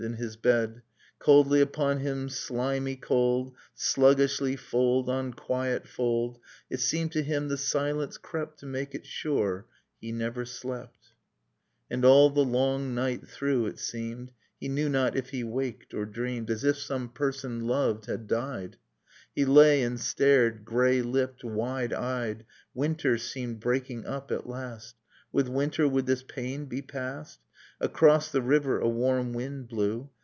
In his bed, Coldly upon him, slimy cold, ; Sluggishly, fold on quiet fold, ^ It seemed to him the silence crept To make it sure he never slept; ' ] Nocturne of Remembered Spring And all the long night through it seemed, — (He knew not if he waked or dreamed, —) As if some person loved had died ... He lay and stared, grey lipped, wide eyed. Winter seemed breakhig up at last: With winter would this pain be past? Across the river a warm wind blew.